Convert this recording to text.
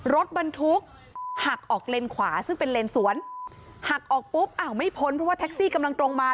รถบรรทุกหักออกเลนขวาซึ่งเป็นเลนสวนหักออกปุ๊บอ้าวไม่พ้นเพราะว่าแท็กซี่กำลังตรงมา